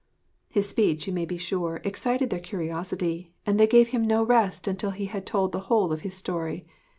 His speech, you may be sure, excited their curiosity, and they gave him no rest until he had told the whole of his story.